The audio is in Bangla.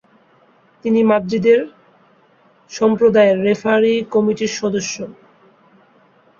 তিনি মাদ্রিদের সম্প্রদায়ের রেফারি কমিটির সদস্য।